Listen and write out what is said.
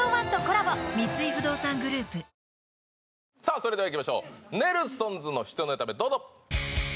それではいきましょうネルソンズの１ネタ目どうぞ！